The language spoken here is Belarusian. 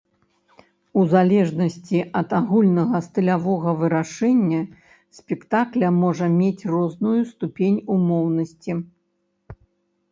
У залежнасці ад агульнага стылявога вырашэння спектакля можа мець розную ступень умоўнасці.